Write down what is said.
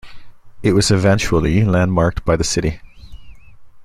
It was eventually landmarked by the city.